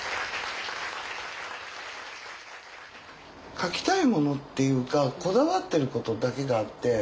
書きたいものっていうかこだわってることだけがあって。